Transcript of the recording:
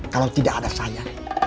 kalau tidak ada saya